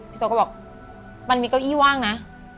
โซก็บอกมันมีเก้าอี้ว่างนะ